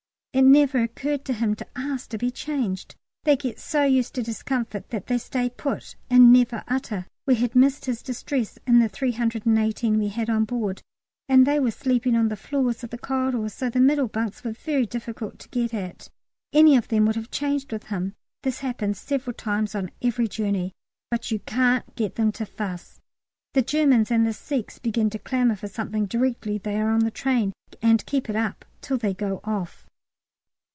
It had never occurred to him to ask to be changed. They get so used to discomfort that they "stay put" and never utter. We had missed his distress (in the 318 we had on board), and they were sleeping on the floors of the corridors, so the middle bunks were very difficult to get at. Any of them would have changed with him. This happens several times on every journey, but you can't get them to fuss. The Germans and the Sikhs begin to clamour for something directly they are on the train, and keep it up till they go off.